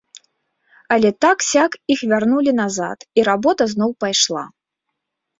Але так-сяк іх вярнулі назад, і работа зноў пайшла.